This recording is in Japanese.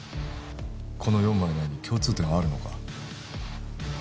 この４枚の絵に共通点はあるのか？